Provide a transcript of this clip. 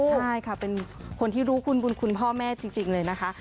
ใช่ค่ะเป็นคนที่รู้คุณบุญคุณพ่อแม่จริงเลยนะคะ